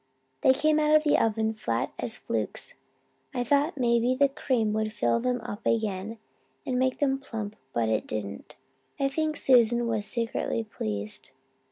They came out of the oven flat as flukes. I thought maybe the cream would fill them up again and make them plump but it didn't. I think Susan was secretly pleased.